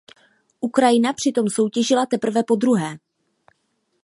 Ukrajina přitom soutěžila teprve podruhé.